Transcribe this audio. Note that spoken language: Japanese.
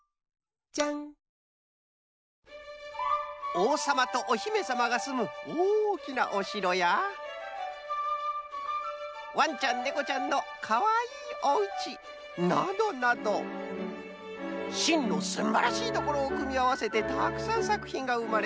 おうさまとおひめさまがすむおおきなおしろやわんちゃんねこちゃんのかわいいおうちなどなどしんのすんばらしいところをくみあわせてたくさんさくひんがうまれたようです。